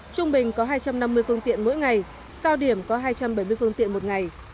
trung bình có hai trăm năm mươi phương tiện mỗi ngày cao điểm có hai trăm bảy mươi phương tiện một ngày